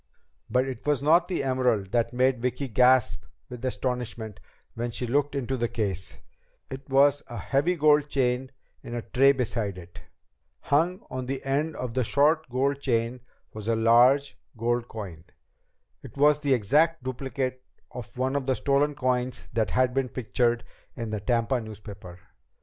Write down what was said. But it was not the emerald that made Vicki gasp with astonishment when she looked into the case. It was a heavy gold chain in the tray beside it. [Illustration: The souvenir ship gleamed like pure gold] Hung on the end of the short gold chain was a large gold coin. It was the exact duplicate of one of the stolen coins that had been pictured in the Tampa newspaper.